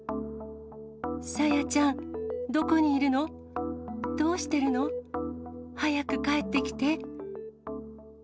朝芽ちゃん、どこにいるの、どうしてるの、早く帰ってきて。